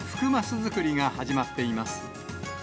づくりが始まっています。